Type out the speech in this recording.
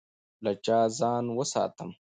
له چا ځان وساتم؟